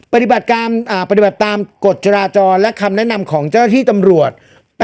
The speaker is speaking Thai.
๗ปฏิบัติตามกฎจราจรและคำแนะนำของเจ้าที่ตำรวจ